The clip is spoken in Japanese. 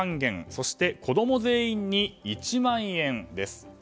そして、子供全員に１万円です。